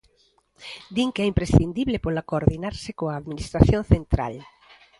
Din que é imprescindible pola coordinarse coa administración central.